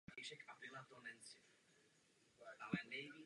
Byla to konference o chorobách souvisejících s chudobou.